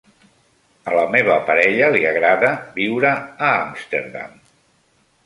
A la meva parella li agrada viure a Amsterdam.